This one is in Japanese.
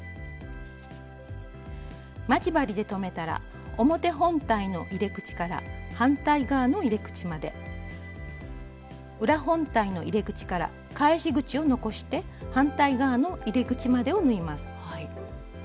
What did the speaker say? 待ち針で留めたら表本体の入れ口から反対側の入れ口まで裏本体の入れ口から返し口を残して反対側の入れ口までを縫います。